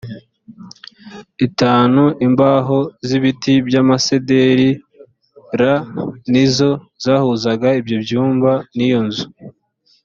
itanu imbaho z ibiti by amasederi l ni zo zahuzaga ibyo byumba n iyo nzu